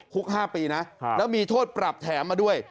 คุก๕ปีนะแล้วมีโทษปรับแถมมาด้วย